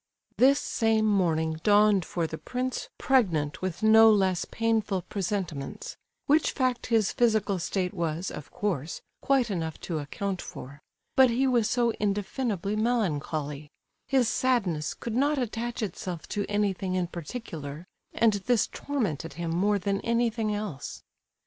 This same morning dawned for the prince pregnant with no less painful presentiments,—which fact his physical state was, of course, quite enough to account for; but he was so indefinably melancholy,—his sadness could not attach itself to anything in particular, and this tormented him more than anything else.